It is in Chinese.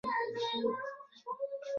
玩家的反应会决定游戏如何进行。